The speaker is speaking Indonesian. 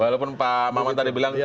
walaupun pak maman tadi bilang